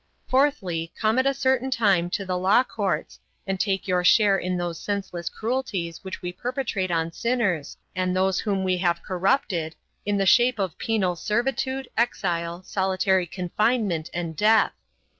Fourthly, come at a certain time to the law courts and take your share in those senseless cruelties which we perpetrate on sinners, and those whom we have corrupted, in the shape of penal servitude, exile, solitary confinement, and death.